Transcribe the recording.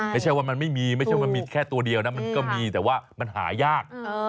ไม่ใช่ว่ามันไม่มีไม่ใช่มันมีแค่ตัวเดียวนะมันก็มีแต่ว่ามันหายาก